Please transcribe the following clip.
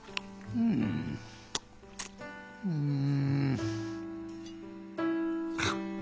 うんうん。